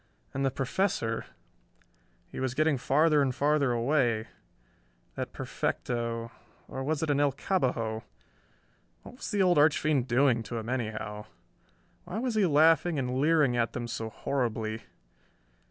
And the Professor ... he was getting farther and farther away ... that perfecto ... or was it an El Cabbajo? What was the old archfiend doing to him anyhow?... Why was he laughing and leering at them so horribly?...